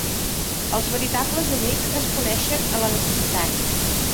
Els veritables amics es coneixen en la necessitat.